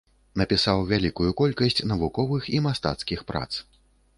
Напісаў вялікую колькасць навуковых і мастацкіх прац.